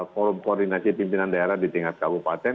forum koordinasi pimpinan daerah di tingkat kabupaten